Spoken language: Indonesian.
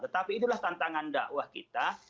tetapi itulah tantangan dakwah kita